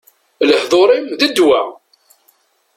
Lehdur-im, d ddwa!